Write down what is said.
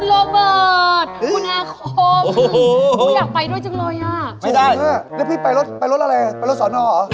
แล้วพี่ไปรถอะไรไปรถสวนอ่อหรอ